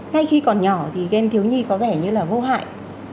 ngay khi còn nhỏ thì game thiếu nhi có vẻ như là vô hại